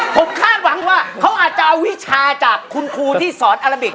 ผมคาดหวังว่าเขาอาจจะเอาวิชาจากคุณครูที่สอนอาราบิก